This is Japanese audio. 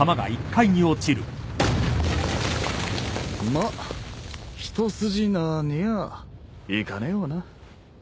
まあ一筋縄にはいかねえわな。